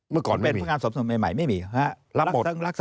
เยอะผมว่าเยอะมาก